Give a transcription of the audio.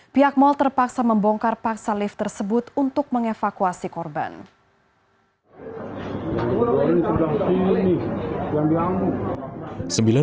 pihak mal terpaksa membongkar paksa lift tersebut untuk mengevakuasi korban